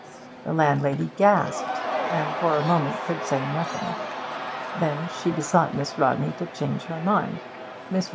The landlady gasped, and for a moment could say nothing. Then she besought Miss Rodney to change her mind. Mr.